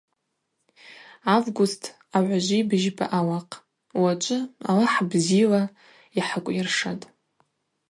Август агӏважви быжьба ауахъ: – Уачӏвы – Алахӏ бзила йхӏыквйыршатӏ.